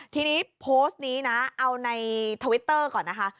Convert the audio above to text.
ทีนี้โพสต์นี้นะเอาในทวิตเตอร์ก่อนนะคะ